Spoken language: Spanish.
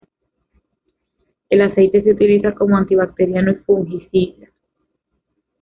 El aceite se utiliza como antibacteriano y fungicida.